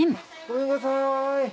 ごめんください。